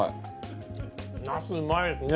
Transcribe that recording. なすうまいですね。